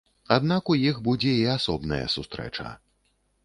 Аднак у іх будзе і асобная сустрэча.